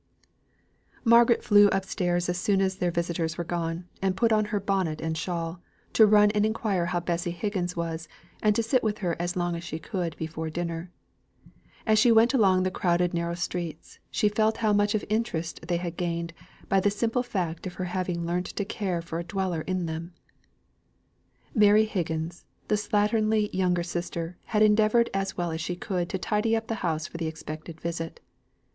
Margaret flew up stairs as soon as their visitors were gone, and put on her bonnet and shawl, to run and inquire how Betsy Higgins was, and sit with her as long as she could before dinner. As she went along the crowded narrow streets, she felt how much of interest they had gained by the simple fact of her having learnt to care for a dweller in them. Mary Higgins, the slatternly younger sister, had endeavoured as well as she could to tidy up the house for the expected visit.